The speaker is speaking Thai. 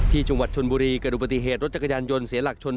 ที่จังหวัดชนบุรีกระดูกปฏิเหตุรถจักรยานยนต์เสียหลักชน